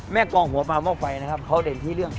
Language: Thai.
กองหัวปลาหม้อไฟนะครับเขาเด่นที่เรื่อง